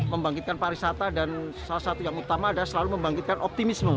membangkitkan pariwisata dan salah satu yang utama adalah selalu membangkitkan optimisme